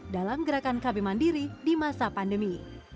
dalam gerakan kb mandiri di masa pandemi